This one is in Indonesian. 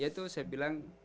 yaitu saya bilang